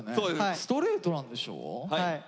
ストレートなんでしょ？